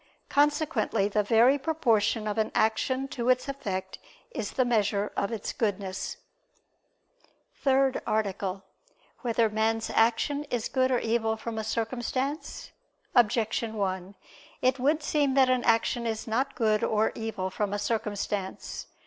Consequently the very proportion of an action to its effect is the measure of its goodness. ________________________ THIRD ARTICLE [I II, Q. 18, Art. 3] Whether Man's Action Is Good or Evil from a Circumstance? Objection 1: It would seem that an action is not good or evil from a circumstance.